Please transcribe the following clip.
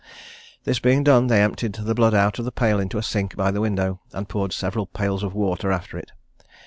This being done, they emptied the blood out of the pail into a sink by the window, and poured several pails of water after it.